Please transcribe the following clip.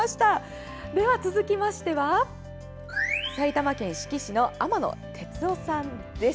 続きまして、埼玉県志木市の天野哲夫さんです。